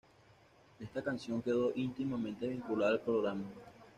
Esta canción quedó íntimamente vinculada al programa.